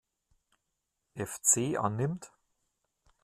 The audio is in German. Fc annimmt.